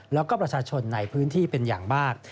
แล้วก็ประชาชนในพื้นที่เป็นอย่างมาก